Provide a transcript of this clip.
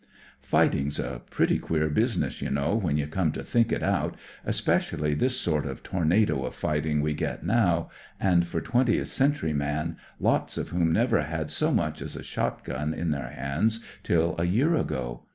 " Fighting's a pretty queer business, you know, when you come to think it out, especially this sort of tornado of fighting we get now, and for twentieth century men, lots of whom never had so much as a shot gun in their hanr^i, lill a year ago.